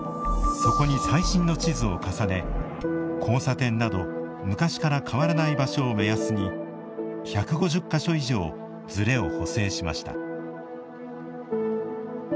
そこに最新の地図を重ね交差点など昔から変わらない場所を目安に１５０か所以上ずれを補正しました。